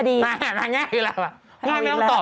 มันง่ายอยู่แล้ว